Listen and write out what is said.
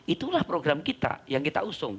itulah program kita yang kita usung